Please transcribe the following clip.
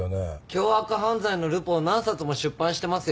凶悪犯罪のルポを何冊も出版してますよ。